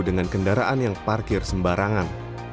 dengan kendaraan yang parkir sembarangan